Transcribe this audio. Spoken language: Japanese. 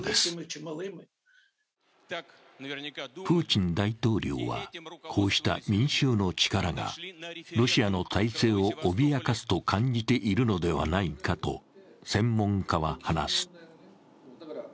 プーチン大統領は、こうした民衆の力がロシアの体制を脅かすと感じているのではないかと専門家は話す。